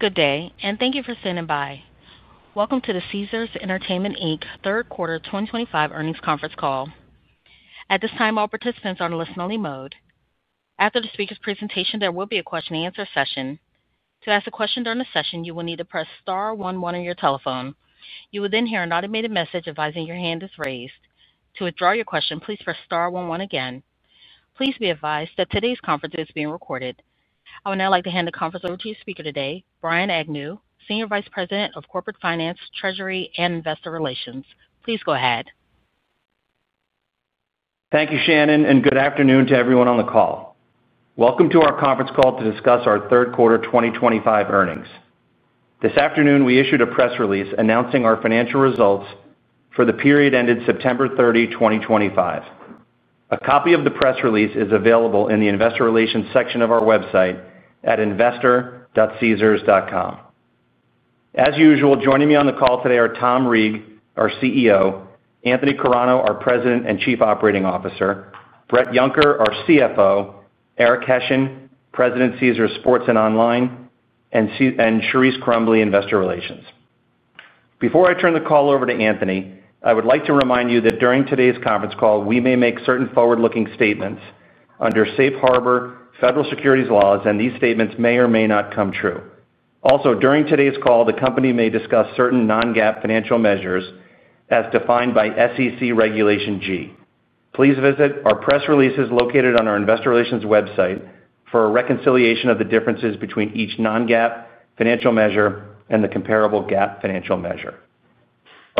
Good day, and thank you for standing by. Welcome to the Caesars Entertainment, Inc Third Quarter 2025 Earnings Conference call. At this time, all participants are in a listen-only mode. After the speaker's presentation, there will be a question-and-answer session. To ask a question during the session, you will need to press star one-one on your telephone. You will then hear an automated message advising your hand is raised. To withdraw your question, please press star one one again. Please be advised that today's conference is being recorded. I would now like to hand the conference over to your speaker today, Brian Agnew, Senior Vice President of Corporate Finance, Treasury, and Investor Relations. Please go ahead. Thank you, Shannon, and good afternoon to everyone on the call. Welcome to our conference call to discuss our Third Quarter 2025 Earnings. This afternoon, we issued a press release announcing our financial results for the period ended September 30, 2025. A copy of the press release is available in the investor relations section of our website at investor.caesars.com. As usual, joining me on the call today are Tom Reeg, our CEO, Anthony Carano, our President and Chief Operating Officer, Bret Yunker, our CFO, Eric Hession, President of Caesars Sports and Online, and Charise Crumbley, Investor Relations. Before I turn the call over to Anthony, I would like to remind you that during today's conference call, we may make certain forward-looking statements under safe harbor federal securities laws, and these statements may or may not come true. Also, during today's call, the company may discuss certain non-GAAP financial measures as defined by SEC Regulation G. Please visit our press releases located on our Investor Relations website for a reconciliation of the differences between each non-GAAP financial measure and the comparable GAAP financial measure.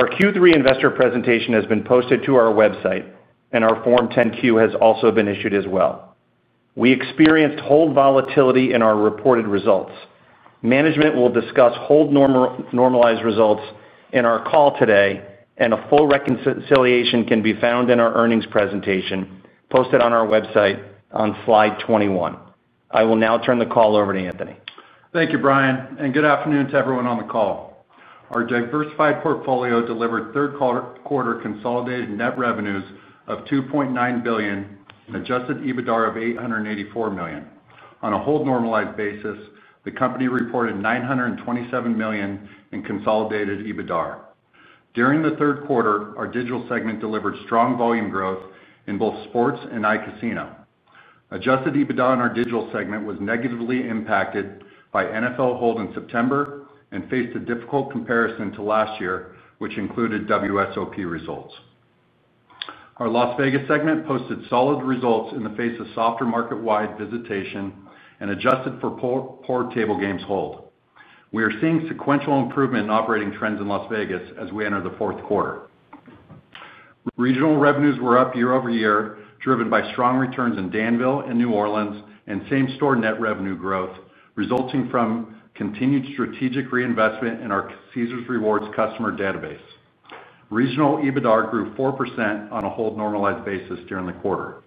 Our Q3 Investor Presentation has been posted to our website, and our Form 10-Q has also been issued as well. We experienced hold volatility in our reported results. Management will discuss hold normalized results in our call today, and a full reconciliation can be found in our earnings presentation posted on our website on slide 21. I will now turn the call over to Anthony. Thank you, Brian, and good afternoon to everyone on the call. Our diversified portfolio delivered third quarter consolidated net revenues of $2.9 billion and an adjusted EBITDA of $884 million. On a hold-normalized basis, the company reported $927 million in consolidated EBITDA. During the third quarter, our Digital segment delivered strong volume growth in both sports and iCasino. Adjusted EBITDA in our Digital segment was negatively impacted by NFL hold in September and faced a difficult comparison to last year, which included WSOP results. Our Las Vegas segment posted solid results in the face of softer market-wide visitation and adjusted for poor table games hold. We are seeing sequential improvement in operating trends in Las Vegas as we enter the fourth quarter. Regional revenues were up year-over-year, driven by strong returns in Danville and New Orleans, and same-store net revenue growth resulting from continued strategic reinvestment in our Caesars Rewards customer database. Regional EBITDA grew 4% on a hold-normalized basis during the quarter.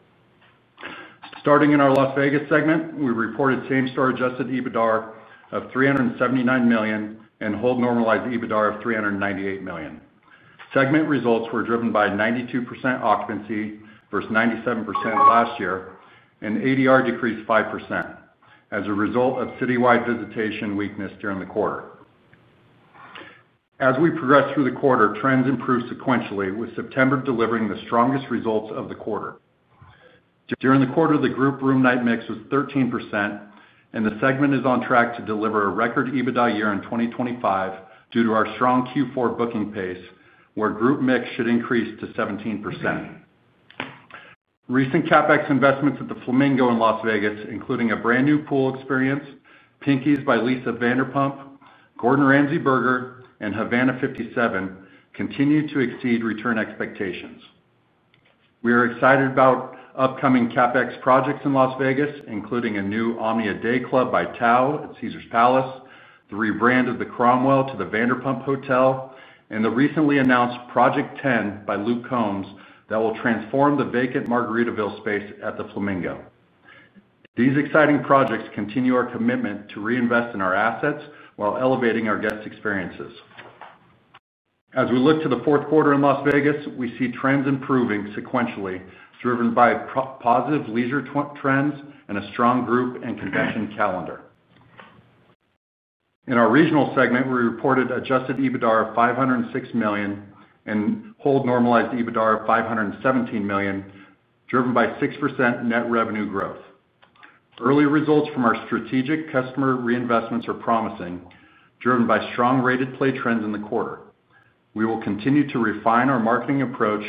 Starting in our Las Vegas segment, we reported same-store adjusted EBITDA of $379 million and hold-normalized EBITDA of $398 million. Segment results were driven by 92% occupancy versus 97% last year, and ADR decreased 5% as a result of city-wide visitation weakness during the quarter. As we progress through the quarter, trends improved sequentially, with September delivering the strongest results of the quarter. During the quarter, the group room night mix was 13%, and the segment is on track to deliver a record EBITDA year in 2025 due to our strong Q4 booking pace, where group mix should increase to 17%. Recent CapEx investments at the Flamingo Las Vegas, including a brand new pool experience, Pinky's by Lisa Vanderpump, Gordon Ramsay Burger and Havana 57 continue to exceed return expectations. We are excited about upcoming CapEx projects in Las Vegas, including a new Omnia Day Club by Tao Group at Caesars Palace, the rebrand of the Cromwell to the Vanderpump Hotel, and the recently announced Project 10 by Luke Combs that will transform the vacant Margaritaville space at the Flamingo. These exciting projects continue our commitment to reinvest in our assets while elevating our guest experiences. As we look to the fourth quarter in Las Vegas, we see trends improving sequentially, driven by positive leisure trends and a strong group and convention calendar. In our regional segment, we reported adjusted EBITDA of $506 million and hold-normalized EBITDA of $517 million, driven by 6% net revenue growth. Early results from our strategic customer reinvestments are promising, driven by strong rated play trends in the quarter. We will continue to refine our marketing approach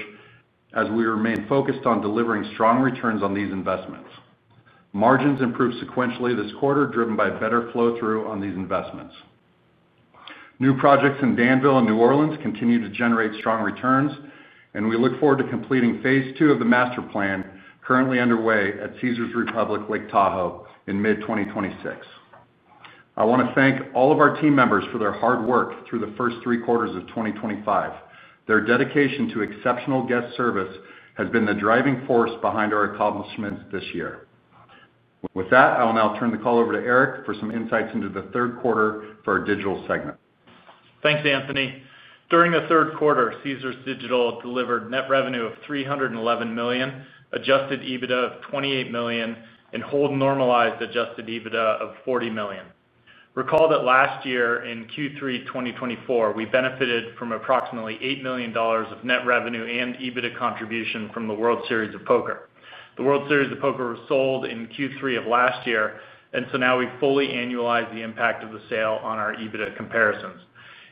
as we remain focused on delivering strong returns on these investments. Margins improved sequentially this quarter, driven by better flow-through on these investments. New projects in Danville and New Orleans continue to generate strong returns, and we look forward to completing phase two of the master plan currently underway at Caesars Republic Lake Tahoe in mid-2026. I want to thank all of our team members for their hard work through the first three quarters of 2025. Their dedication to exceptional guest service has been the driving force behind our accomplishments this year. With that, I will now turn the call over to Eric for some insights into the third quarter for our Digital segment. Thanks, Anthony. During the third quarter, Caesars Digital delivered net revenue of $311 million, adjusted EBITDA of $28 million, and hold-normalized adjusted EBITDA of $40 million. Recall that last year, in Q3 2023, we benefited from approximately $8 million of net revenue and EBITDA contribution from the World Series of Poker. The World Series of Poker was sold in Q3 of last year, and so now we fully annualize the impact of the sale on our EBITDA comparisons.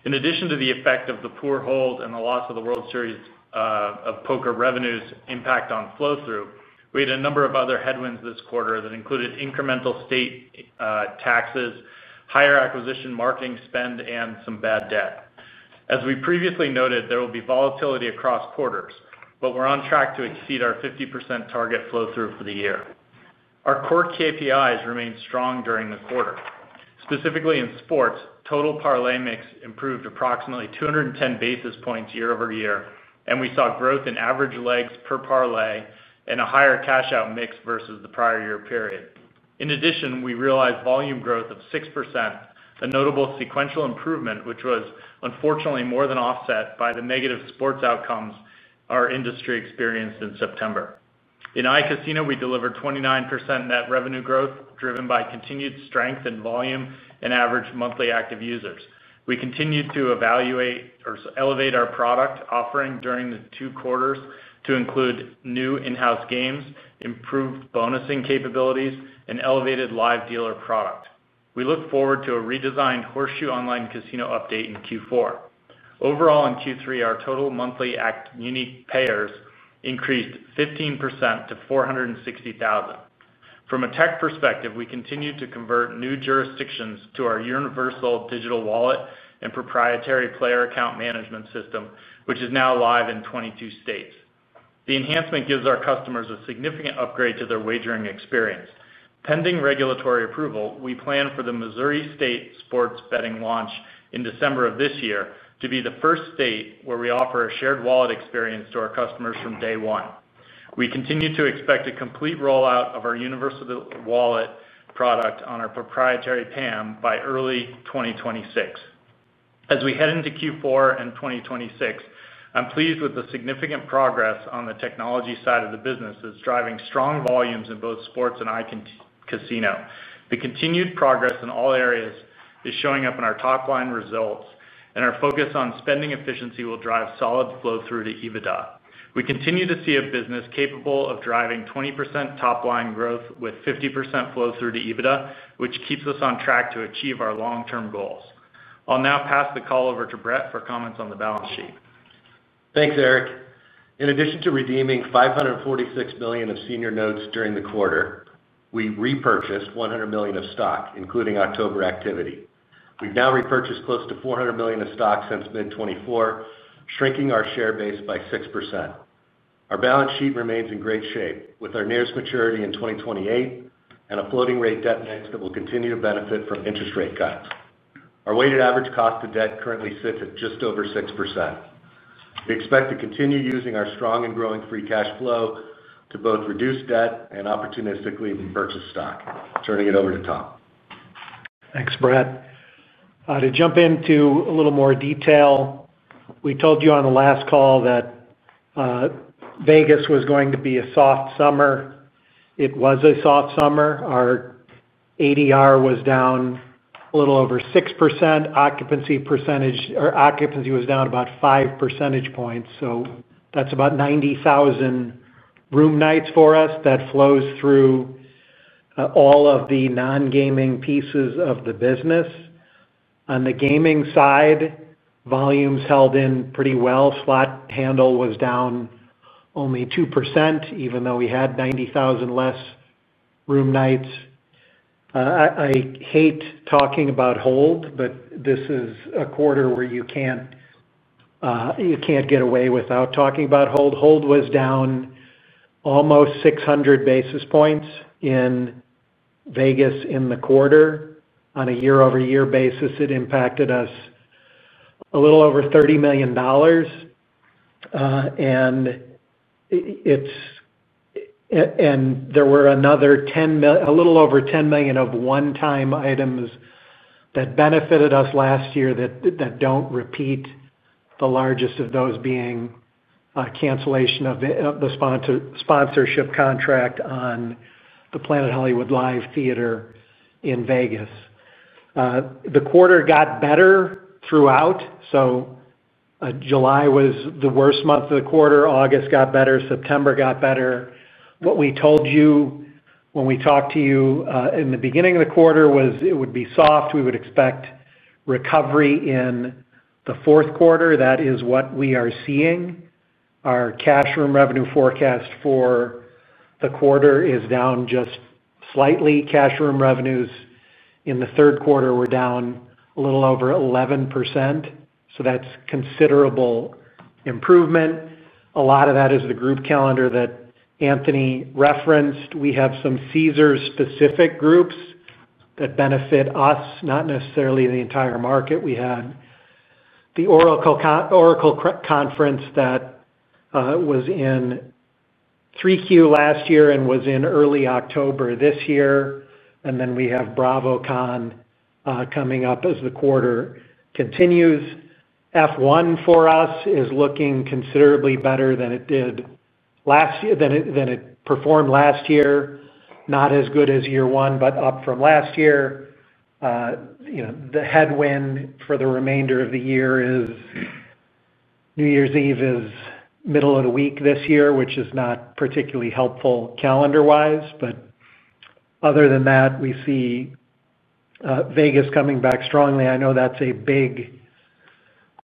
In addition to the effect of the poor hold and the loss of the World Series of Poker revenues' impact on flow-through, we had a number of other headwinds this quarter that included incremental state taxes, higher acquisition marketing spend, and some bad debt. As we previously noted, there will be volatility across quarters, but we're on track to exceed our 50% target flow-through for the year. Our core KPIs remained strong during the quarter. Specifically in sports, total parlay mix improved approximately 210 basis points year-over-year, and we saw growth in average legs per parlay and a higher cash-out mix versus the prior year period. In addition, we realized volume growth of 6%, a notable sequential improvement which was unfortunately more than offset by the negative sports outcomes our industry experienced in September. In iCasino, we delivered 29% net revenue growth driven by continued strength in volume and average monthly active users. We continued to evaluate or elevate our product offering during the two quarters to include new in-house games, improved bonusing capabilities, and elevated live dealer product. We look forward to a redesigned Horseshoe Online Casino update in Q4. Overall, in Q3, our total monthly active unique payers increased 15% to 460,000. From a tech perspective, we continued to convert new jurisdictions to our universal digital wallet and proprietary player account management system, which is now live in 22 states. The enhancement gives our customers a significant upgrade to their wagering experience. Pending regulatory approval, we plan for the Missouri state sports betting launch in December of this year to be the first state where we offer a shared wallet experience to our customers from day one. We continue to expect a complete rollout of our universal wallet product on our proprietary TAM by early 2026. As we head into Q4 and 2026, I'm pleased with the significant progress on the technology side of the business that's driving strong volumes in both sports and iCasino. The continued progress in all areas is showing up in our top-line results, and our focus on spending efficiency will drive solid flow-through to EBITDA. We continue to see a business capable of driving 20% top-line growth with 50% flow-through to EBITDA, which keeps us on track to achieve our long-term goals. I'll now pass the call over to Bret for comments on the balance sheet. Thanks, Eric. In addition to redeeming $546 million of senior notes during the quarter, we repurchased $100 million of stock, including October activity. We've now repurchased close to $400 million of stock since mid-2024, shrinking our share base by 6%. Our balance sheet remains in great shape, with our nearest maturity in 2028 and a floating-rate debt mix that will continue to benefit from interest rate cuts. Our weighted average cost of debt currently sits at just over 6%. We expect to continue using our strong and growing free cash flow to both reduce debt and opportunistically purchase stock. Turning it over to Tom. Thanks, Bret. To jump into a little more detail, we told you on the last call that Vegas was going to be a soft summer. It was a soft summer. Our ADR was down a little over 6%. Occupancy percentage or occupancy was down about 5 percentage points. That's about 90,000 room nights for us that flows through all of the non-gaming pieces of the business. On the gaming side, volumes held in pretty well. Slot handle was down only 2%, even though we had 90,000 less room nights. I hate talking about hold, but this is a quarter where you can't get away without talking about hold. Hold was down almost 600 basis points in Vegas in the quarter. On a year-over-year basis, it impacted us a little over $30 million. There were another $10 million, a little over $10 million of one-time items that benefited us last year that don't repeat, the largest of those being a cancellation of the sponsorship contract on the Planet Hollywood Live Theater in Vegas. The quarter got better throughout. July was the worst month of the quarter. August got better. September got better. What we told you when we talked to you in the beginning of the quarter was it would be soft. We would expect recovery in the fourth quarter. That is what we are seeing. Our cash room revenue forecast for the quarter is down just slightly. Cash room revenues in the third quarter were down a little over 11%. That's considerable improvement. A lot of that is the group calendar that Anthony referenced. We have some Caesars-specific groups that benefit us, not necessarily the entire market. We had the Oracle Conference that was in 3Q last year and was in early October this year. We have BravoCon coming up as the quarter continues. F1 for us is looking considerably better than it did last year, than it performed last year. Not as good as year one, but up from last year. The headwind for the remainder of the year is New Year's Eve is middle of the week this year, which is not particularly helpful calendar-wise. Other than that, we see Vegas coming back strongly. I know that's a big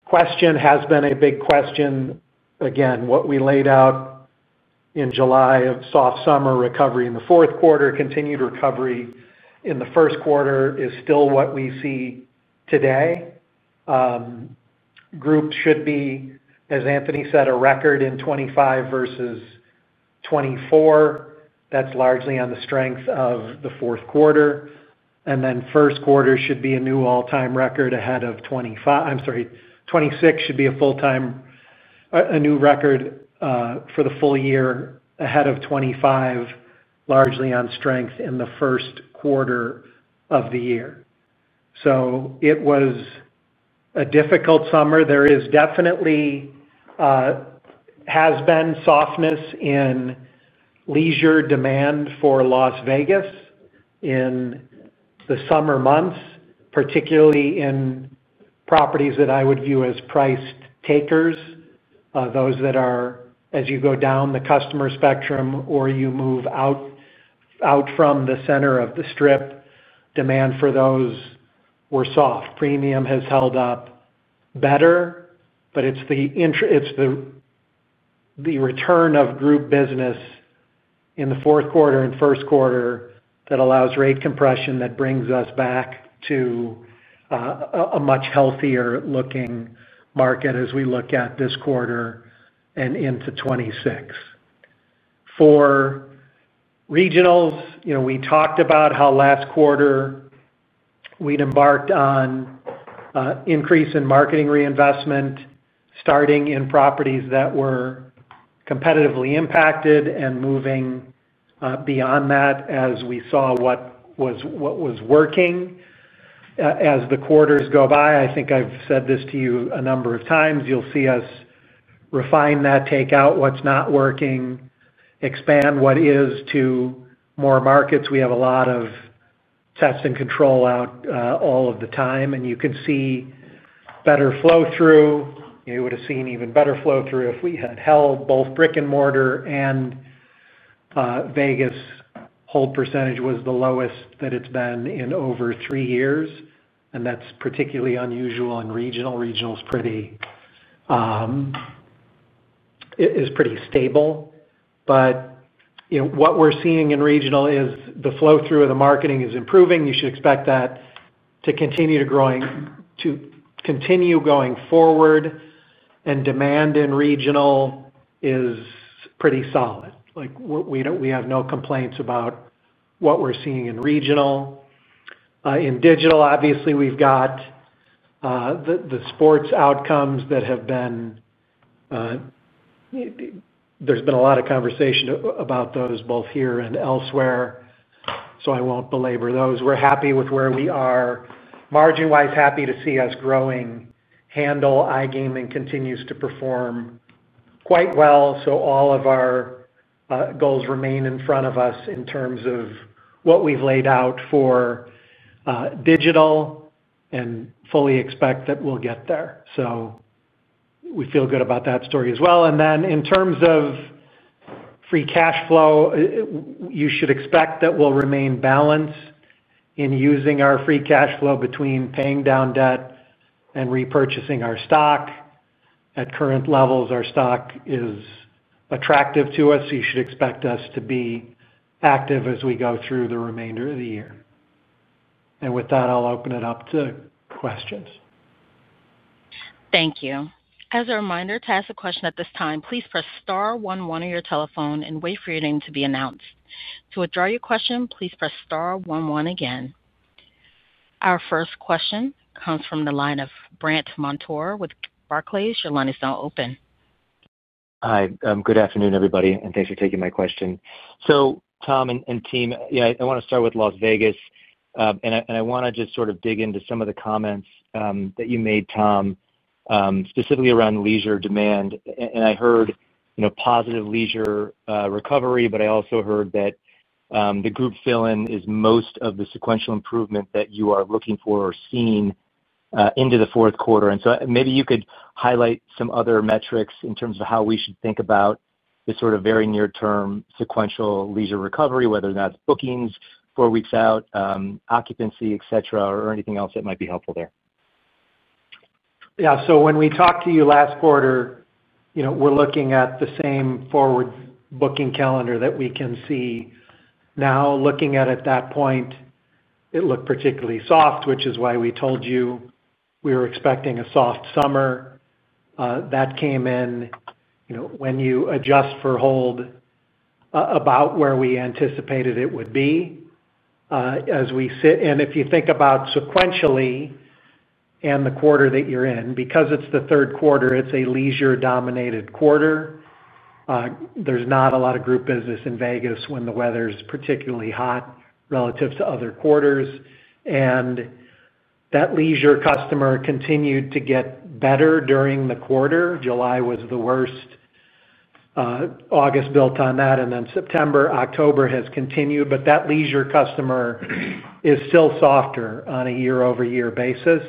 question, has been a big question. Again, what we laid out in July of soft summer recovery in the fourth quarter, continued recovery in the first quarter is still what we see today. Groups should be, as Anthony said, a record in 2025 versus 2024. That's largely on the strength of the fourth quarter. First quarter should be a new all-time record ahead of 2025. I'm sorry, 2026 should be a new record for the full year ahead of 2025, largely on strength in the first quarter of the year. It was a difficult summer. There definitely has been softness in leisure demand for Las Vegas in the summer months, particularly in properties that I would view as price takers. As you go down the customer spectrum or you move out from the center of the Strip, demand for those was soft. Premium has held up better, but it is the return of group business in the fourth quarter and first quarter that allows rate compression that brings us back to a much healthier-looking market as we look at this quarter and into 2026. For regionals, we talked about how last quarter we had embarked on an increase in marketing reinvestment starting in properties that were competitively impacted and moving beyond that as we saw what was working. As the quarters go by, I think I've said this to you a number of times, you'll see us refine that, take out what's not working, expand what is to more markets. We have a lot of test and control out all of the time. You can see better flow-through. You would have seen even better flow-through if we had held both brick-and-mortar and Vegas. Hold percentage was the lowest that it's been in over three years. That is particularly unusual in regional. Regional is pretty stable. What we're seeing in regional is the flow-through of the marketing is improving. You should expect that to continue going forward. Demand in regional is pretty solid. We have no complaints about what we're seeing in regional. In Digital, obviously, we've got the sports outcomes that have been, there's been a lot of conversation about those both here and elsewhere. I won't belabor those. We're happy with where we are. Margin-wise, happy to see us growing. Handle iGaming continues to perform quite well. All of our goals remain in front of us in terms of what we've laid out for Digital and fully expect that we'll get there. We feel good about that story as well. In terms of free cash flow, you should expect that we'll remain balanced in using our free cash flow between paying down debt and repurchasing our stock. At current levels, our stock is attractive to us. You should expect us to be active as we go through the remainder of the year. With that, I'll open it up to questions. Thank you. As a reminder, to ask a question at this time, please press star one one on your telephone and wait for your name to be announced. To withdraw your question, please press star one-one again. Our first question comes from the line of Brandt Montour with Barclays. Your line is now open. Hi. Good afternoon, everybody, and thanks for taking my question. Tom and team, I want to start with Las Vegas. I want to just sort of dig into some of the comments that you made, Tom, specifically around leisure demand. I heard positive leisure recovery, but I also heard that the group fill-in is most of the sequential improvement that you are looking for or seeing into the fourth quarter. Maybe you could highlight some other metrics in terms of how we should think about the sort of very near-term sequential leisure recovery, whether or not it's bookings four weeks out, occupancy, etc., or anything else that might be helpful there. Yeah. When we talked to you last quarter, we're looking at the same forward booking calendar that we can see now. Looking at it at that point, it looked particularly soft, which is why we told you we were expecting a soft summer. That came in, when you adjust for hold, about where we anticipated it would be as we sit. If you think about sequentially and the quarter that you're in, because it's the third quarter, it's a leisure-dominated quarter. There's not a lot of group business in Las Vegas when the weather is particularly hot relative to other quarters. That leisure customer continued to get better during the quarter. July was the worst. August built on that, and then September, October has continued. That leisure customer is still softer on a year-over-year basis.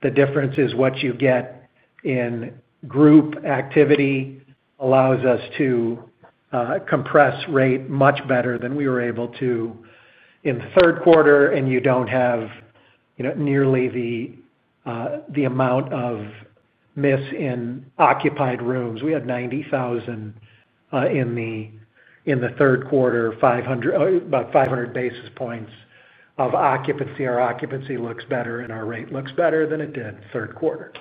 The difference is what you get in group activity allows us to compress rate much better than we were able to in the third quarter. You don't have nearly the amount of miss in occupied rooms. We had 90,000 in the third quarter, about 500 basis points of occupancy. Our occupancy looks better and our rate looks better than it did third quarter.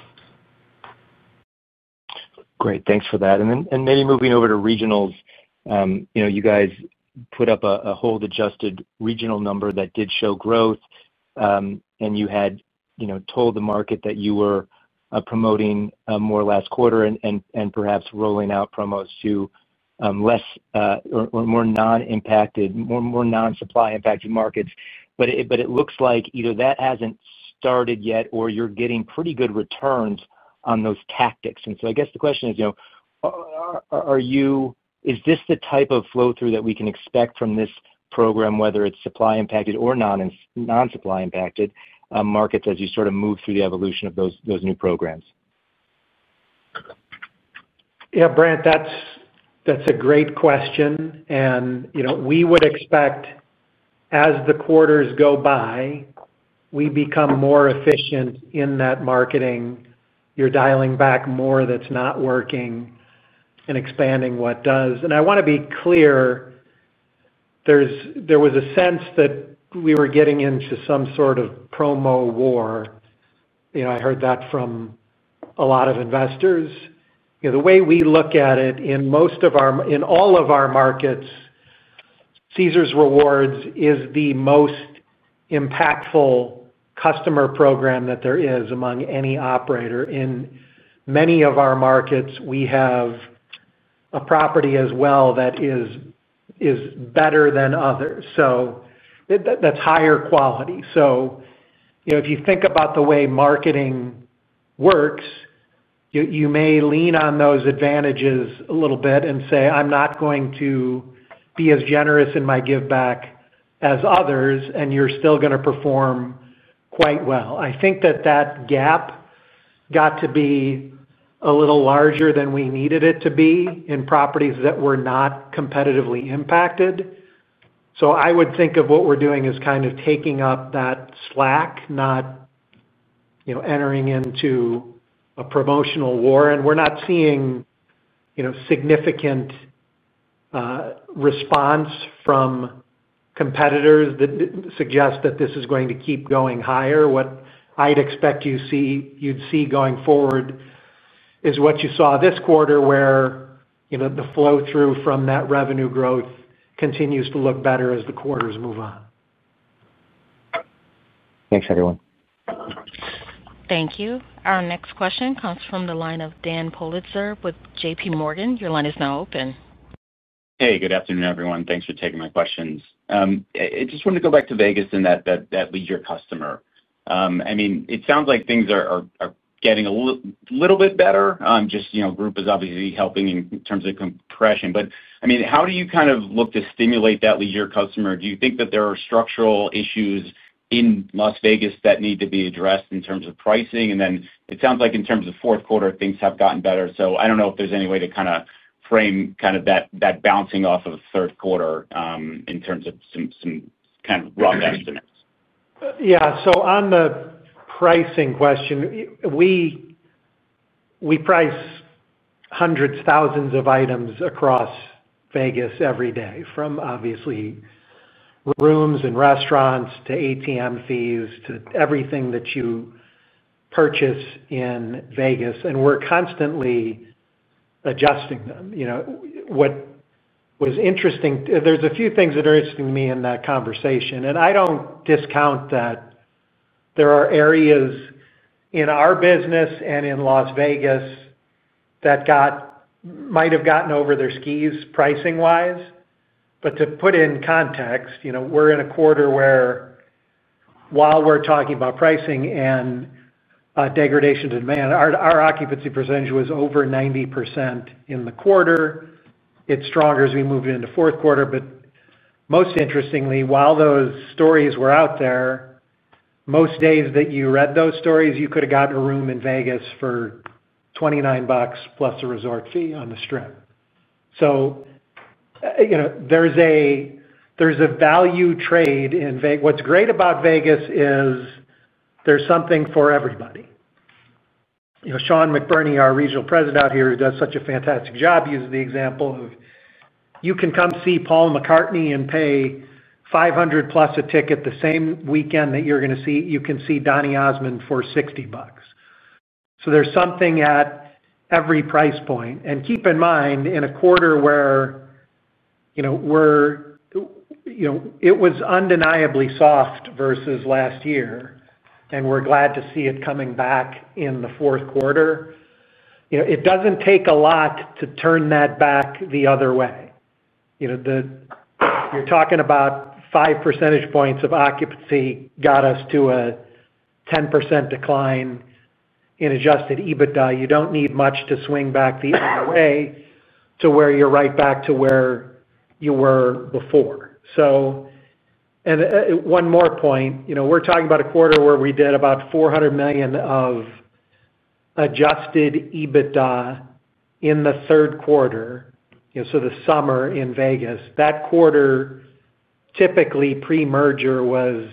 Great. Thanks for that. Maybe moving over to regionals, you know, you guys put up a hold-adjusted regional number that did show growth. You had told the market that you were promoting more last quarter and perhaps rolling out promos to more non-supply-impacted markets. It looks like either that hasn't started yet or you're getting pretty good returns on those tactics. I guess the question is, you know, is this the type of flow-through that we can expect from this program, whether it's supply-impacted or non-supply-impacted markets as you sort of move through the evolution of those new programs? Yeah, Brandt, that's a great question. We would expect as the quarters go by, we become more efficient in that marketing. You're dialing back more that's not working and expanding what does. I want to be clear, there was a sense that we were getting into some sort of promo war. I heard that from a lot of investors. The way we look at it in most of our, in all of our markets, Caesars Rewards is the most impactful customer program that there is among any operator. In many of our markets, we have a property as well that is better than others. That's higher quality. If you think about the way marketing works, you may lean on those advantages a little bit and say, "I'm not going to be as generous in my give-back as others," and you're still going to perform quite well. I think that gap got to be a little larger than we needed it to be in properties that were not competitively impacted. I would think of what we're doing as kind of taking up that slack, not entering into a promotional war. We're not seeing significant response from competitors that suggest that this is going to keep going higher. What I'd expect you'd see going forward is what you saw this quarter where the flow-through from that revenue growth continues to look better as the quarters move on. Thanks, everyone. Thank you. Our next question comes from the line of Dan Politzer with JPMorgan. Your line is now open. Hey, good afternoon, everyone. Thanks for taking my questions. I just wanted to go back to Las Vegas and that leisure customer. I mean, it sounds like things are getting a little bit better. Group is obviously helping in terms of compression. How do you kind of look to stimulate that leisure customer? Do you think that there are structural issues in Las Vegas that need to be addressed in terms of pricing? It sounds like in terms of fourth quarter, things have gotten better. I don't know if there's any way to kind of frame that bouncing off of third quarter in terms of some kind of rough estimates. Yeah. On the pricing question, we price hundreds, thousands of items across Vegas every day, from obviously rooms and restaurants to ATM fees to everything that you purchase in Vegas. We're constantly adjusting them. What was interesting, there's a few things that are interesting to me in that conversation. I don't discount that there are areas in our business and in Las Vegas that might have gotten over their skis pricing-wise. To put in context, we're in a quarter where, while we're talking about pricing and degradation to demand, our occupancy percentage was over 90% in the quarter. It's stronger as we moved into fourth quarter. Most interestingly, while those stories were out there, most days that you read those stories, you could have gotten a room in Vegas for $29 + a resort fee on the Strip. There's a value trade in Vegas. What's great about Vegas is there's something for everybody. Sean McBurney, our Regional President out here who does such a fantastic job, uses the example of you can come see Paul McCartney and pay $500+ a ticket the same weekend that you can see Donny Osmond for $60. There's something at every price point. Keep in mind, in a quarter where it was undeniably soft versus last year, and we're glad to see it coming back in the fourth quarter. It doesn't take a lot to turn that back the other way. You're talking about five percentage points of occupancy got us to a 10% decline in adjusted EBITDA. You don't need much to swing back the other way to where you're right back to where you were before. One more point, we're talking about a quarter where we did about $400 million of adjusted EBITDA in the third quarter. The summer in Vegas, that quarter typically pre-merger was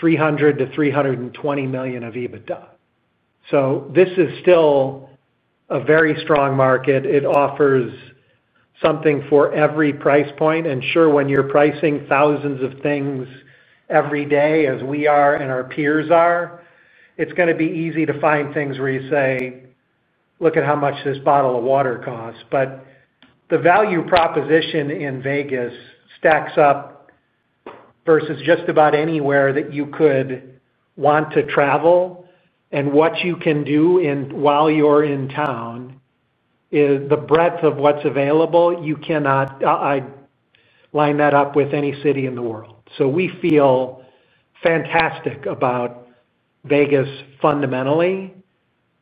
$300 million-$320 million of EBITDA. This is still a very strong market. It offers something for every price point. Sure, when you're pricing thousands of things every day, as we are and our peers are, it's going to be easy to find things where you say, "Look at how much this bottle of water costs." The value proposition in Vegas stacks up versus just about anywhere that you could want to travel. What you can do while you're in town is the breadth of what's available. You cannot line that up with any city in the world. We feel fantastic about Vegas fundamentally.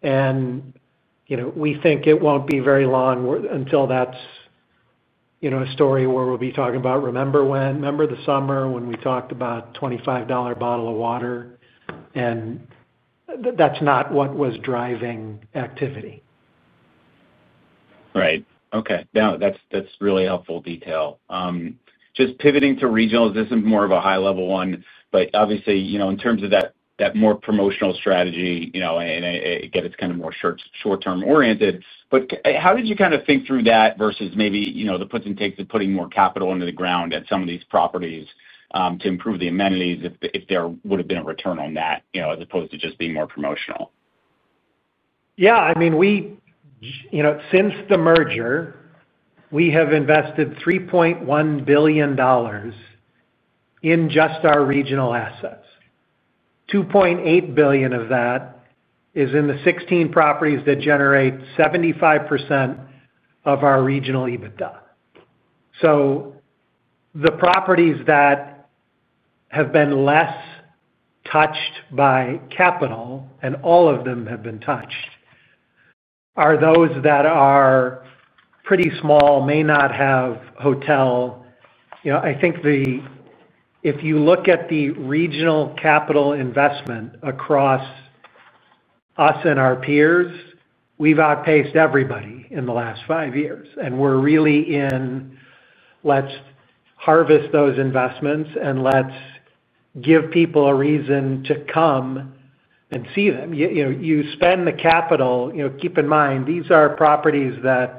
We think it won't be very long until that's a story where we'll be talking about, "Remember when? Remember the summer when we talked about a $25 bottle of water?" That's not what was driving activity. Right. Okay. That's really helpful detail. Just pivoting to regionals, this is more of a high-level one. Obviously, you know, in terms of that more promotional strategy, you know, and I get it's kind of more short-term oriented. How did you kind of think through that versus maybe, you know, the puts and takes of putting more capital into the ground at some of these properties to improve the amenities if there would have been a return on that, you know, as opposed to just being more promotional? Yeah. I mean, since the merger, we have invested $3.1 billion in just our regional assets. $2.8 billion of that is in the 16 properties that generate 75% of our regional EBITDA. The properties that have been less touched by capital, and all of them have been touched, are those that are pretty small, may not have a hotel. I think if you look at the regional capital investment across us and our peers, we've outpaced everybody in the last five years. We're really in, "Let's harvest those investments and let's give people a reason to come and see them." You spend the capital. Keep in mind, these are properties that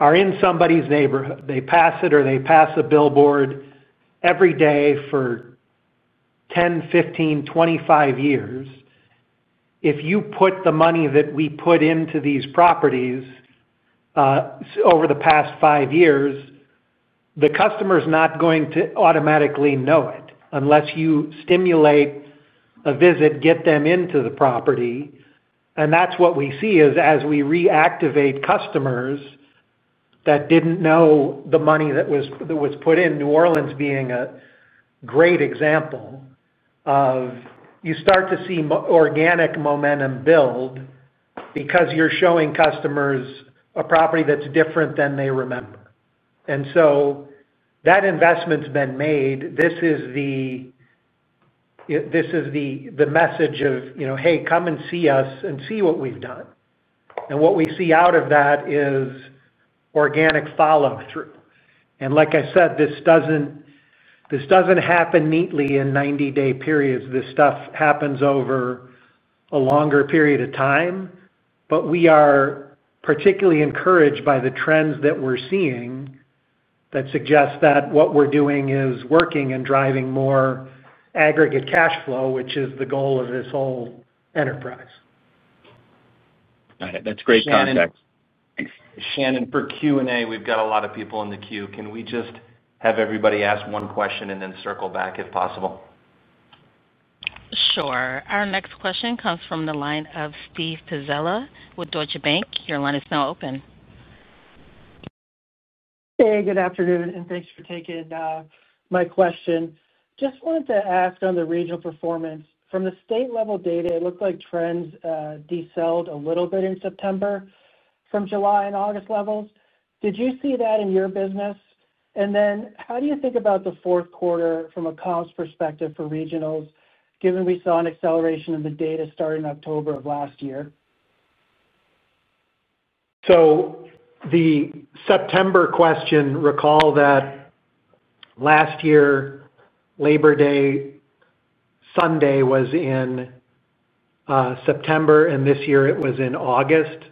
are in somebody's neighborhood. They pass it or they pass a billboard every day for 10 years, 15 years, 25 years. If you put the money that we put into these properties over the past five years, the customer is not going to automatically know it unless you stimulate a visit, get them into the property. That's what we see as we reactivate customers that didn't know the money that was put in. New Orleans being a great example of, you start to see organic momentum build because you're showing customers a property that's different than they remember. That investment's been made. This is the message of, "Hey, come and see us and see what we've done." What we see out of that is organic follow-through. Like I said, this doesn't happen neatly in 90-day periods. This stuff happens over a longer period of time. We are particularly encouraged by the trends that we're seeing that suggest that what we're doing is working and driving more aggregate cash flow, which is the goal of this whole enterprise. Got it. That's great context. Thanks, Shannon. For Q&A, we've got a lot of people in the queue. Can we just have everybody ask one question and then circle back if possible? Sure. Our next question comes from the line of Steve Pizzella with Deutsche Bank. Your line is now open. Hey, good afternoon, and thanks for taking my question. Just wanted to ask on the regional performance. From the state-level data, it looked like trends descended a little bit in September from July and August levels. Did you see that in your business? How do you think about the fourth quarter from a comps perspective for regionals, given we saw an acceleration in the data starting in October of last year? The September question, recall that last year, Labor Day Sunday was in September, and this year it was in August.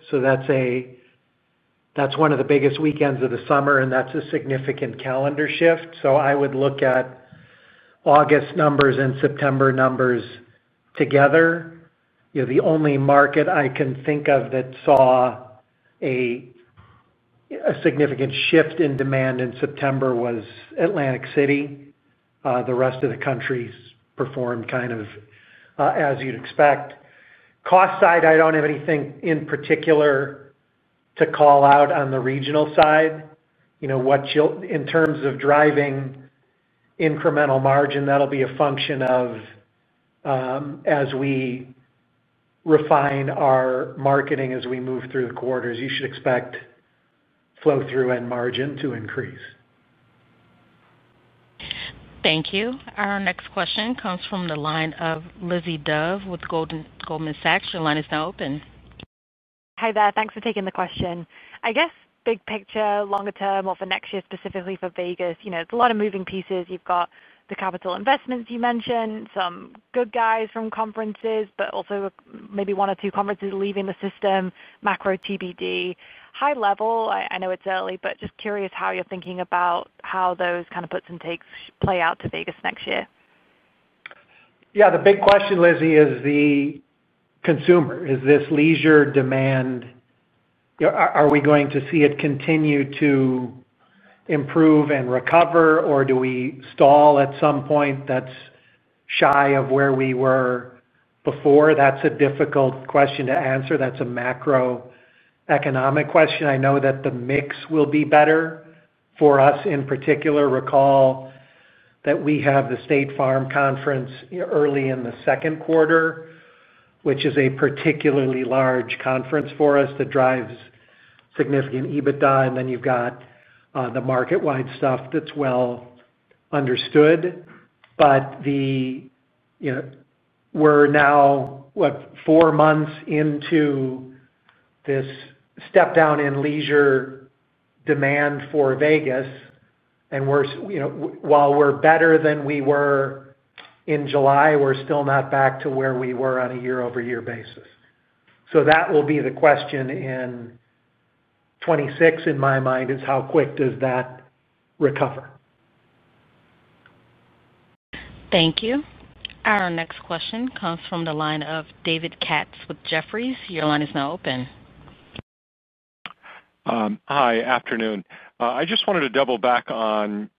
That's one of the biggest weekends of the summer, and that's a significant calendar shift. I would look at August numbers and September numbers together. The only market I can think of that saw a significant shift in demand in September was Atlantic City. The rest of the country's performed kind of as you'd expect. Cost side, I don't have anything in particular to call out on the regional side. In terms of driving incremental margin, that'll be a function of as we refine our marketing as we move through the quarters. You should expect flow-through and margin to increase. Thank you. Our next question comes from the line of Lizzie Dove with Goldman Sachs. Your line is now open. Hi there. Thanks for taking the question. I guess big picture, longer term or for next year specifically for Las Vegas, you know, it's a lot of moving pieces. You've got the capital investments you mentioned, some good guys from conferences, but also maybe one or two conferences leaving the system, macro TBD. High level, I know it's early, but just curious how you're thinking about how those kind of puts and takes play out to Las Vegas next year. Yeah. The big question, Lizzie, is the consumer. Is this leisure demand? You know, are we going to see it continue to improve and recover, or do we stall at some point that's shy of where we were before? That's a difficult question to answer. That's a macroeconomic question. I know that the mix will be better for us in particular. Recall that we have the State Farm Conference early in the second quarter, which is a particularly large conference for us that drives significant EBITDA. You have the market-wide stuff that's well understood. We're now, what, four months into this step-down in leisure demand for Las Vegas. While we're better than we were in July, we're still not back to where we were on a year-over-year basis. That will be the question in 2026, in my mind, is how quick does that recover. Thank you. Our next question comes from the line of David Katz with Jefferies. Your line is now open. Hi, afternoon. I just wanted to double back on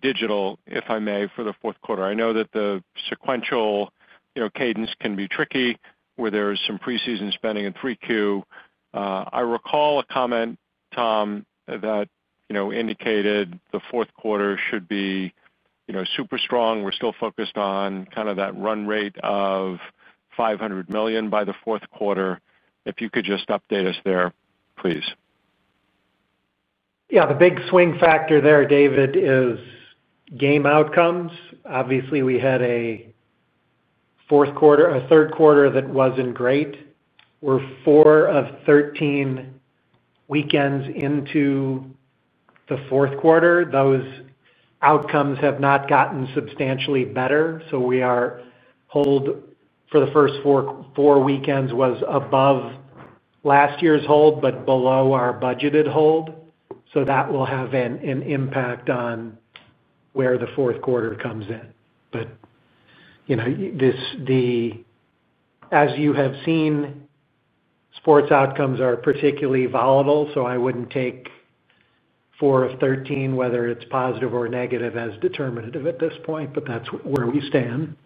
Digital, if I may, for the fourth quarter. I know that the sequential cadence can be tricky where there's some preseason spending in 3Q. I recall a comment, Tom, that indicated the fourth quarter should be super strong. We're still focused on kind of that run rate of $500 million by the fourth quarter. If you could just update us there, please. Yeah. The big swing factor there, David, is game outcomes. Obviously, we had a fourth quarter, a third quarter that wasn't great. We're four of 13 weekends into the fourth quarter. Those outcomes have not gotten substantially better. Our hold for the first four weekends was above last year's hold but below our budgeted hold. That will have an impact on where the fourth quarter comes in. As you have seen, sports outcomes are particularly volatile. I wouldn't take four of 13, whether it's positive or negative, as determinative at this point. That's where we stand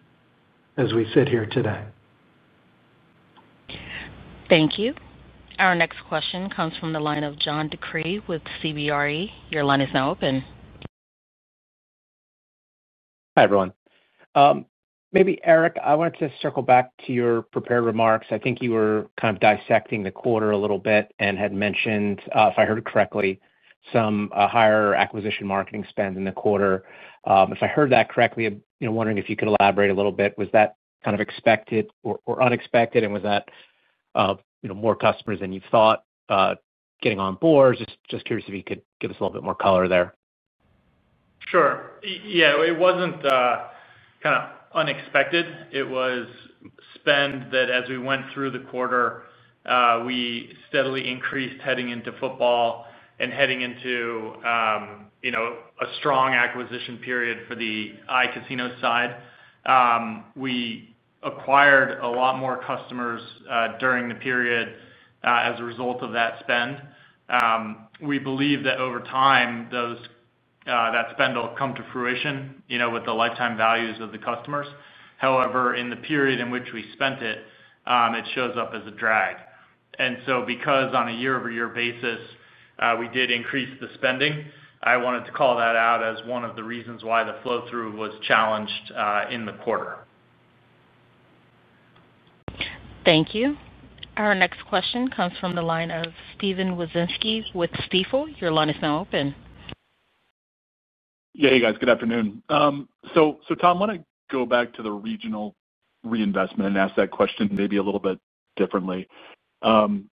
as we sit here today. Thank you. Our next question comes from the line of John DeCree with CBRE. Your line is now open. Hi, everyone. Maybe, Eric, I wanted to circle back to your prepared remarks. I think you were kind of dissecting the quarter a little bit and had mentioned, if I heard it correctly, some higher acquisition marketing spend in the quarter. If I heard that correctly, wondering if you could elaborate a little bit, was that kind of expected or unexpected? Was that more customers than you thought getting on board? Just curious if you could give us a little bit more color there. Sure. Yeah. It wasn't unexpected. It was spend that, as we went through the quarter, we steadily increased heading into football and heading into a strong acquisition period for the iCasino side. We acquired a lot more customers during the period as a result of that spend. We believe that over time, that spend will come to fruition with the lifetime values of the customers. However, in the period in which we spent it, it shows up as a drag. Because on a year-over-year basis, we did increase the spending, I wanted to call that out as one of the reasons why the flow-through was challenged in the quarter. Thank you. Our next question comes from the line of Steven Wieczynski with Stifel. Your line is now open. Yeah. Hey, guys. Good afternoon. Tom, I want to go back to the regional reinvestment and ask that question maybe a little bit differently. One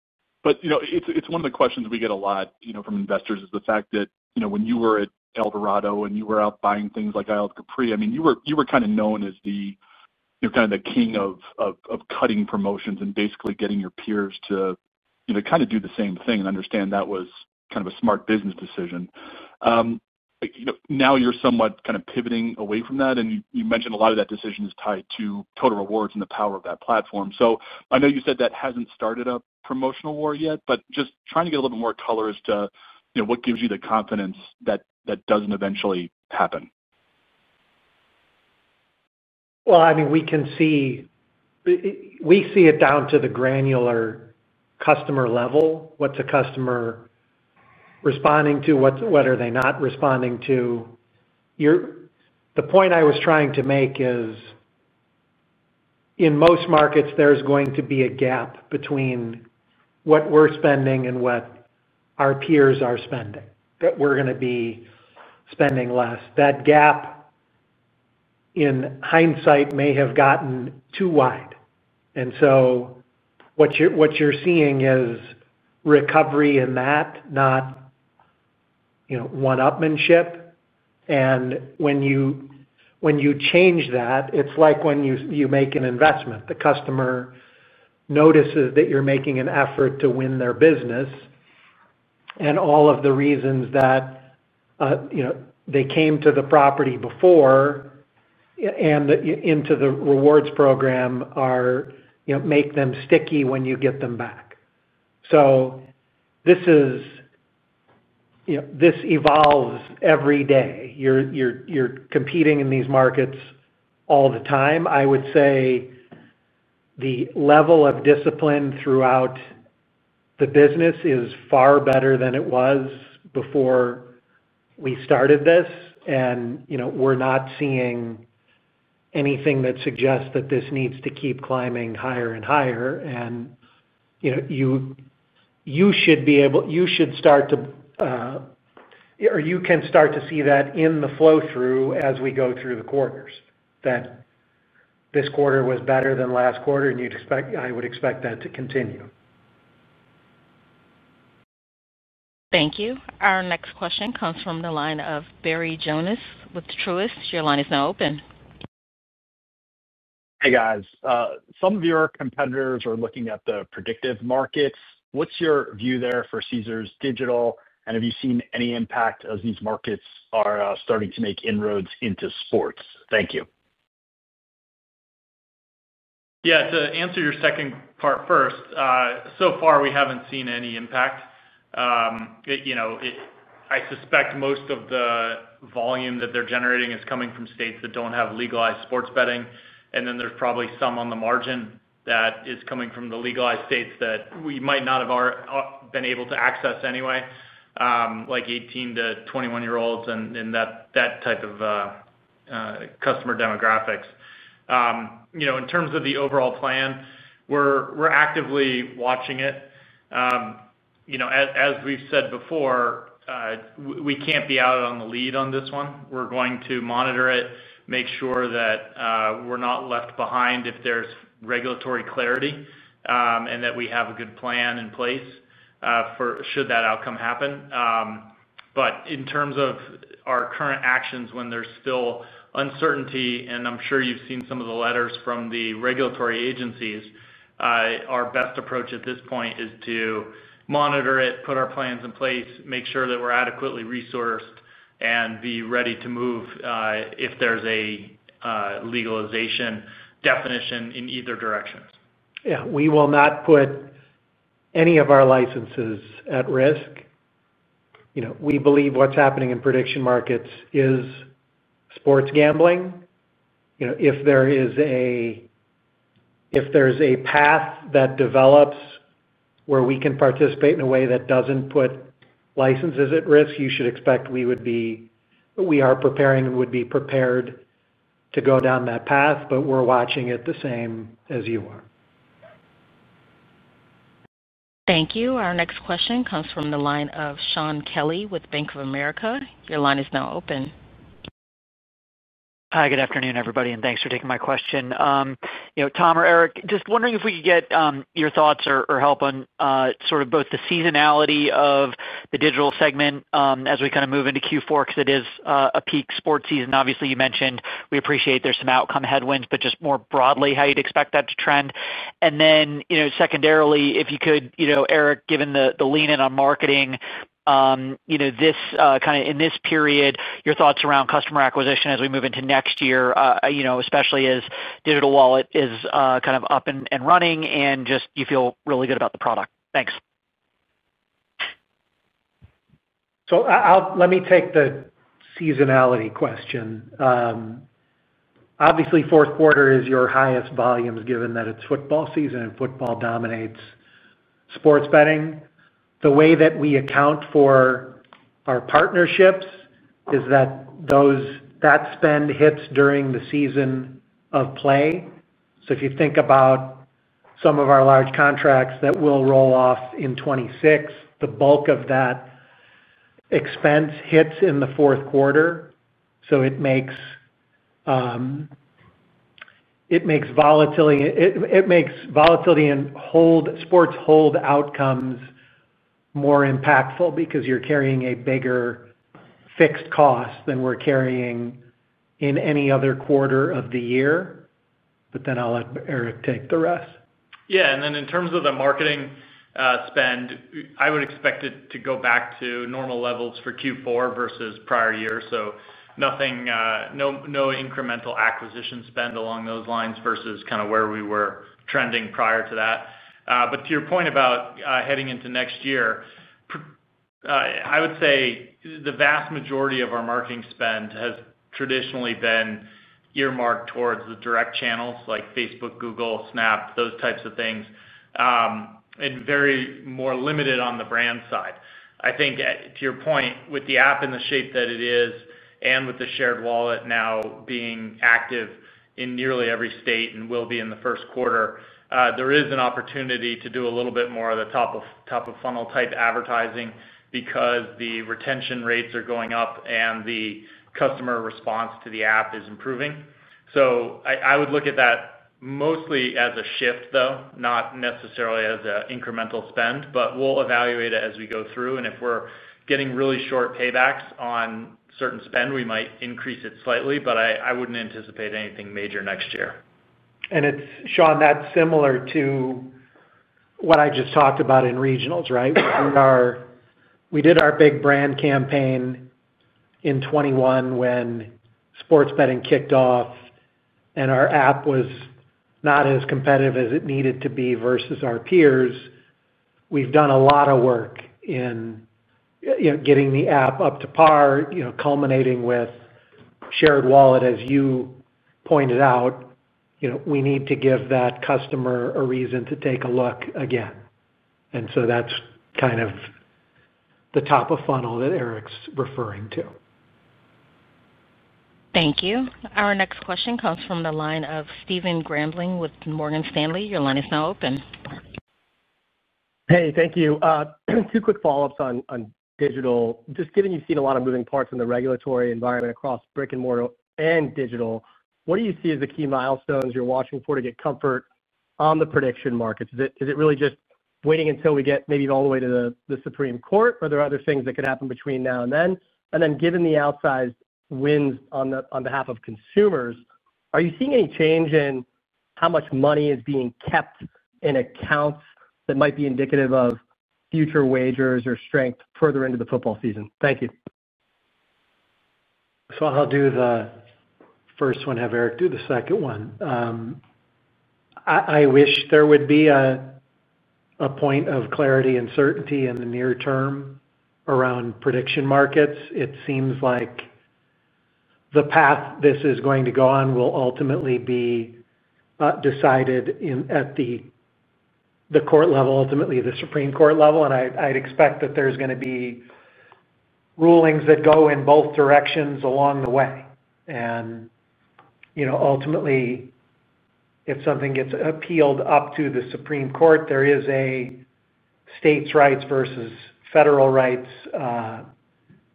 of the questions we get a lot from investors is the fact that when you were at Eldorado and you were out buying things like Isle of Capri, you were kind of known as the king of cutting promotions and basically getting your peers to do the same thing and understand that was kind of a smart business decision. Now you're somewhat kind of pivoting away from that. You mentioned a lot of that decision is tied to Caesars Rewards and the power of that platform. I know you said that hasn't started a promotional war yet, but just trying to get a little bit more color as to what gives you the confidence that that doesn't eventually happen. I mean, we can see, we see it down to the granular customer level. What's a customer responding to? What are they not responding to? The point I was trying to make is, in most markets, there's going to be a gap between what we're spending and what our peers are spending, that we're going to be spending less. That gap, in hindsight, may have gotten too wide. What you're seeing is recovery in that, not, you know, one-upmanship. When you change that, it's like when you make an investment. The customer notices that you're making an effort to win their business. All of the reasons that, you know, they came to the property before and into the rewards program are, you know, make them sticky when you get them back. This evolves every day. You're competing in these markets all the time. I would say the level of discipline throughout the business is far better than it was before we started this. We're not seeing anything that suggests that this needs to keep climbing higher and higher. You should be able, you should start to, or you can start to see that in the flow-through as we go through the quarters, that this quarter was better than last quarter, and you'd expect, I would expect that to continue. Thank you. Our next question comes from the line of Barry Jonas with Truist. Your line is now open. Hey, guys. Some of your competitors are looking at the prediction markets. What's your view there for Caesars Digital? Have you seen any impact as these markets are starting to make inroads into sports? Thank you. To answer your second part first, so far, we haven't seen any impact. I suspect most of the volume that they're generating is coming from states that don't have legalized sports betting. There's probably some on the margin that is coming from the legalized states that we might not have been able to access anyway, like 18 year old-21-year olds and that type of customer demographics. In terms of the overall plan, we're actively watching it. As we've said before, we can't be out on the lead on this one. We're going to monitor it, make sure that we're not left behind if there's regulatory clarity, and that we have a good plan in place for should that outcome happen. In terms of our current actions, when there's still uncertainty, and I'm sure you've seen some of the letters from the regulatory agencies, our best approach at this point is to monitor it, put our plans in place, make sure that we're adequately resourced, and be ready to move if there's a legalization definition in either direction. We will not put any of our licenses at risk. We believe what's happening in prediction markets is sports gambling. If there is a path that develops where we can participate in a way that doesn't put licenses at risk, you should expect we would be, we are preparing and would be prepared to go down that path, but we're watching it the same as you are. Thank you. Our next question comes from the line of Shaun Kelley with Bank of America. Your line is now open. Hi. Good afternoon, everybody, and thanks for taking my question. Tom or Eric, just wondering if we could get your thoughts or help on sort of both the seasonality of the Digital segment as we kind of move into Q4 because it is a peak sports season. Obviously, you mentioned we appreciate there's some outcome headwinds, but just more broadly, how you'd expect that to trend. Secondarily, if you could, Eric, given the lean-in on marketing in this period, your thoughts around customer acquisition as we move into next year, especially as the universal digital wallet is kind of up and running and just you feel really good about the product. Thanks. Let me take the seasonality question. Obviously, fourth quarter is your highest volumes given that it's football season and football dominates sports betting. The way that we account for our partnerships is that those spend hits during the season of play. If you think about some of our large contracts that will roll off in 2026, the bulk of that expense hits in the fourth quarter. It makes volatility and sports hold outcomes more impactful because you're carrying a bigger fixed cost than we're carrying in any other quarter of the year. I'll let Eric take the rest. Yeah. In terms of the marketing spend, I would expect it to go back to normal levels for Q4 versus prior year. Nothing, no incremental acquisition spend along those lines versus kind of where we were trending prior to that. To your point about heading into next year, I would say the vast majority of our marketing spend has traditionally been earmarked towards the direct channels like Facebook, Google, Snap, those types of things, and very more limited on the brand side. I think to your point, with the app in the shape that it is and with the shared wallet now being active in nearly every state and will be in the first quarter, there is an opportunity to do a little bit more of the top-of-tunnel-type advertising because the retention rates are going up and the customer response to the app is improving. I would look at that mostly as a shift, though, not necessarily as an incremental spend. We'll evaluate it as we go through. If we're getting really short paybacks on certain spend, we might increase it slightly. I wouldn't anticipate anything major next year. That's similar to what I just talked about in regionals, right? We did our big brand campaign in 2021 when sports betting kicked off and our app was not as competitive as it needed to be versus our peers. We've done a lot of work in getting the app up to par, culminating with shared wallet. As you pointed out, we need to give that customer a reason to take a look again. That's kind of the top of funnel that Eric's referring to. Thank you. Our next question comes from the line of Stephen Grambling with Morgan Stanley. Your line is now open. Hey, thank you. Two quick follow-ups on Digital. Just given you've seen a lot of moving parts in the regulatory environment across brick-and-mortar and Digital, what do you see as the key milestones you're watching for to get comfort on the prediction markets? Is it really just waiting until we get maybe all the way to the Supreme Court? Are there other things that could happen between now and then? Given the outsized wins on behalf of consumers, are you seeing any change in how much money is being kept in accounts that might be indicative of future wagers or strength further into the football season? Thank you. I'll do the first one, have Eric do the second one. I wish there would be a point of clarity and certainty in the near term around prediction markets. It seems like the path this is going to go on will ultimately be decided at the court level, ultimately the Supreme Court level. I'd expect that there's going to be rulings that go in both directions along the way. You know, ultimately, if something gets appealed up to the Supreme Court, there is a states' rights versus federal rights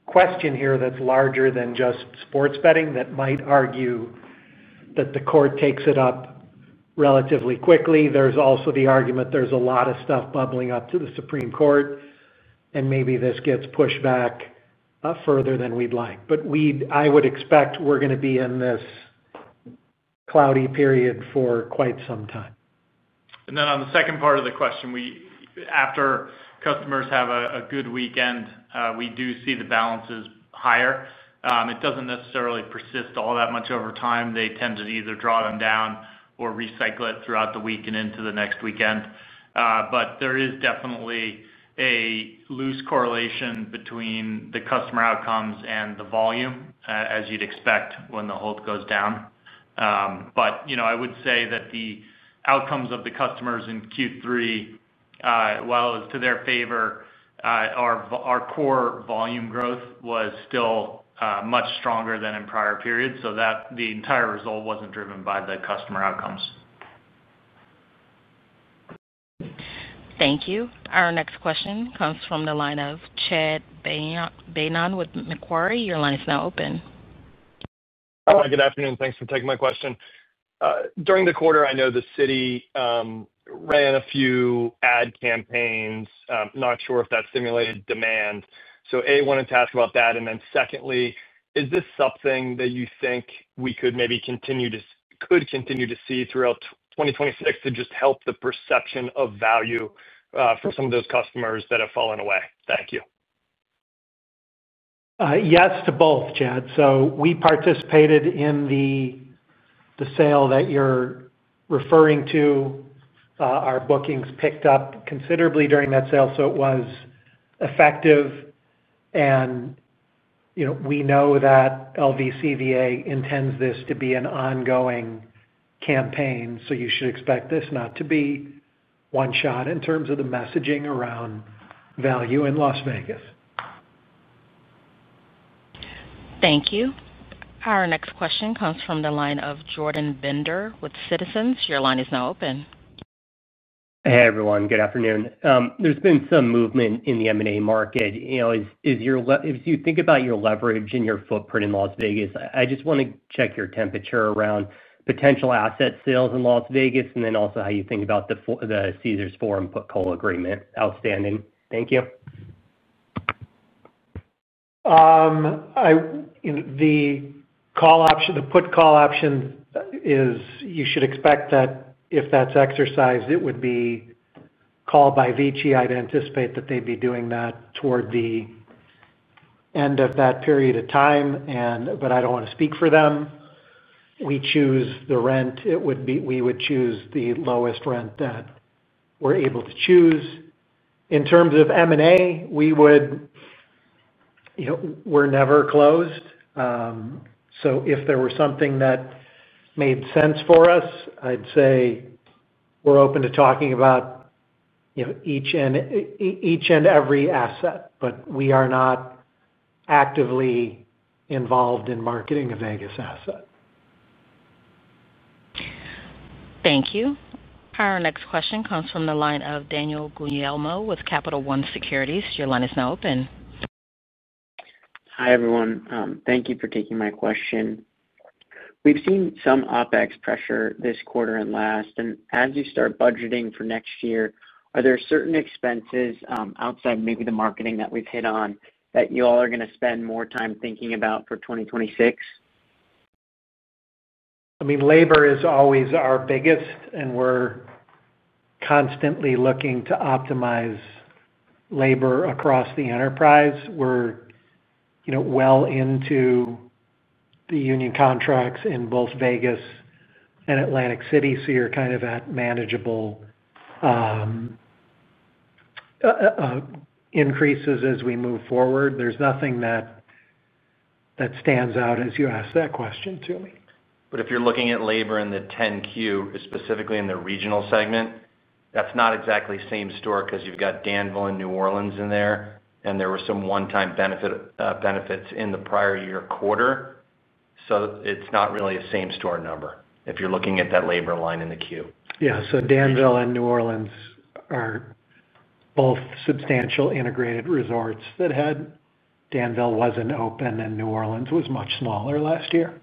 question here that's larger than just sports betting that might argue that the court takes it up relatively quickly. There's also the argument there's a lot of stuff bubbling up to the Supreme Court, and maybe this gets pushed back further than we'd like. I would expect we're going to be in this cloudy period for quite some time. On the second part of the question, after customers have a good weekend, we do see the balances higher. It doesn't necessarily persist all that much over time. They tend to either draw them down or recycle it throughout the week and into the next weekend. There is definitely a loose correlation between the customer outcomes and the volume, as you'd expect when the hold goes down. I would say that the outcomes of the customers in Q3, while it was to their favor, our core volume growth was still much stronger than in prior periods. The entire result wasn't driven by the customer outcomes. Thank you. Our next question comes from the line of Chad Beynon with Macquarie. Your line is now open. Hi, good afternoon. Thanks for taking my question. During the quarter, I know the city ran a few ad campaigns. I'm not sure if that stimulated demand. A, I wanted to ask about that. Secondly, is this something that you think we could maybe continue to see throughout 2026 to just help the perception of value for some of those customers that have fallen away? Thank you. Yes to both, Chad. We participated in the sale that you're referring to. Our bookings picked up considerably during that sale. It was effective. We know that LVCVA intends this to be an ongoing campaign, so you should expect this not to be one-shot in terms of the messaging around value in Las Vegas. Thank you. Our next question comes from the line of Jordan Bender with Citizens. Your line is now open. Hey, everyone. Good afternoon. There's been some movement in the M&A market. As you think about your leverage and your footprint in Las Vegas, I just want to check your temperature around potential asset sales in Las Vegas and also how you think about the Caesars Forum Put-Call Agreement. Outstanding. Thank you. The call option, the put call option is you should expect that if that's exercised, it would be called by VICI. I'd anticipate that they'd be doing that toward the end of that period of time, but I don't want to speak for them. We choose the rent. We would choose the lowest rent that we're able to choose. In terms of M&A, we're never closed. If there were something that made sense for us, I'd say we're open to talking about each and every asset. We are not actively involved in marketing a Vegas asset. Thank you. Our next question comes from the line of Daniel Guglielmo with Capital One Securities. Your line is now open. Hi, everyone. Thank you for taking my question. We've seen some OpEx pressure this quarter and last. As you start budgeting for next year, are there certain expenses outside maybe the marketing that we've hit on that you all are going to spend more time thinking about for 2026? Labor is always our biggest, and we're constantly looking to optimize labor across the enterprise. We're well into the union contracts in both Las Vegas and Atlantic City, so you're kind of at manageable increases as we move forward. There's nothing that stands out as you ask that question to me. If you're looking at labor in the 10-Q, specifically in the regional segment, that's not exactly the same store because you've got Danville and New Orleans in there, and there were some one-time benefits in the prior year quarter. It's not really a same store number if you're looking at that labor line in the queue. Danville and New Orleans are both substantial integrated resorts that had Danville wasn't open, and New Orleans was much smaller last year.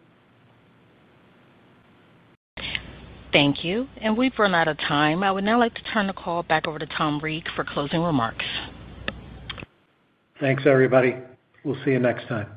Thank you. We've run out of time. I would now like to turn the call back over to Tom Reeg for closing remarks. Thanks, everybody. We'll see you next time.